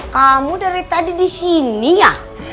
kamu dari tadi disini ya